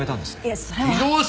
いえそれは。